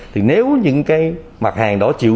thì nếu những cái mặt hàng đó chịu